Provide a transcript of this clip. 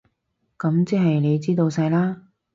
噉即係你知道晒喇？